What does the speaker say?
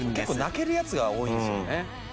結構泣けるやつが多いんですよね。